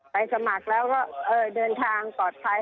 สมัครแล้วก็เดินทางปลอดภัย